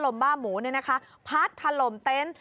ลมบ้าหมูนี่นะคะพัดทะลมเต็นต์